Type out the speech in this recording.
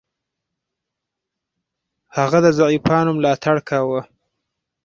هغه د ضعیفانو ملاتړ کاوه.